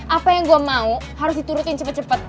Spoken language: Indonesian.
apa yang gue mau harus diturutin cepet cepet